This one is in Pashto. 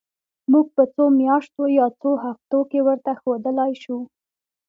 موږ په څو میاشتو یا څو هفتو کې ورته ښودلای شو.